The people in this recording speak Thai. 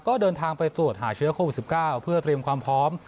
ก็เดินทางไปตรวจหาเชื้อโควิด๑๙เพื่อเตรียมความพร้อม